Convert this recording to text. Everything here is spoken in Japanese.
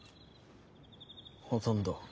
ほとんど。